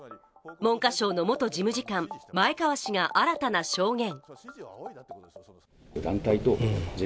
文科省の元事務次官、前川氏が新たな証言。